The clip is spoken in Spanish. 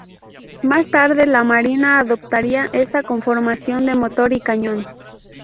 Más tarde la Marina adoptaría esta conformación de motor y cañón.